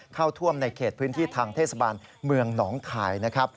เข้าท่วมในเขตพื้นที่ทางเทศบาลเมืองหนองคายนะครับ